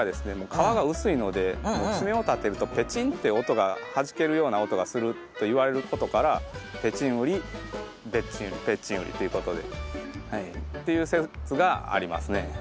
皮が薄いので爪を立てるとペちんって音がはじけるような音がするといわれることからぺちんウリぺっちんウリということで。という説がありますね。